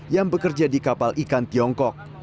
yang bekerja di kapal ikan tiongkok